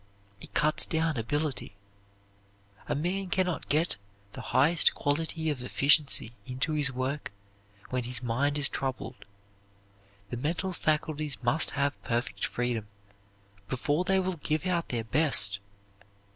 It cuts down ability. A man can not get the highest quality of efficiency into his work when his mind is troubled. The mental faculties must have perfect freedom before they will give out their best.